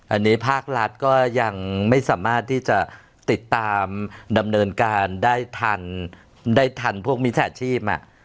อันนี้ภาครัฐก็ยังไม่สามารถที่จะติดตามดำเนินการได้ทันได้ทันพวกมิจฉาชีพ